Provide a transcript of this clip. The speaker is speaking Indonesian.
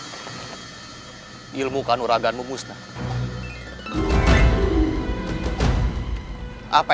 aku sudah bukan lagi minta maaf